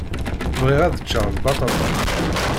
Bɣiɣ ad ččeɣ lbaṭaṭa.